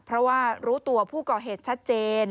เพราะว่ารู้ตัวผู้ก่อเหตุชัดเจน